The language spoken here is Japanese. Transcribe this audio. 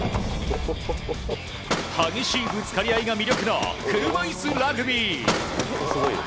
激しいぶつかり合いが魅力の車いすラグビー。